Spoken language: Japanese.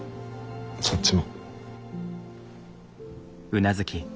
そっちも。